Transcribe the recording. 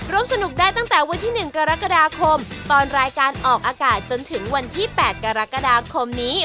สนุกได้ตั้งแต่วันที่๑กรกฎาคมตอนรายการออกอากาศจนถึงวันที่๘กรกฎาคมนี้